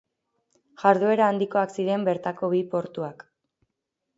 Jarduera handikoak ziren bertako bi portuak.